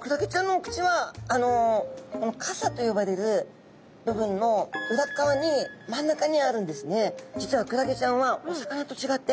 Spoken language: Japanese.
クラゲちゃんのお口はこの傘と呼ばれる部分の裏側に真ん中にあるんですね。